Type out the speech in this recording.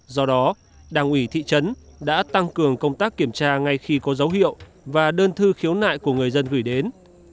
do đó đảng ủy thị trấn đã tăng cường công tác kiểm tra ngay khi có dấu hiệu và đơn thư khiếu nại của người dân gửi đến